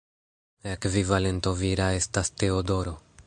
Ekvivalento vira estas Teodoro.